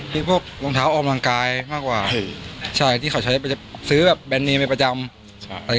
หรือพวกรองเท้าออมรังกายมากกว่าใช่ที่เขาใช้ไปซื้อแบบแบรนด์เนมไม่ประจำใช่